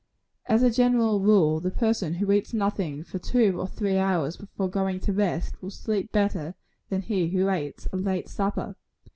As a general rule, the person who eats nothing for two or three hours before going to rest, will sleep better than he who eats a late supper.